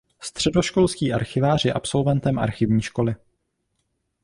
Středoškolský archivář je absolventem Archivní školy.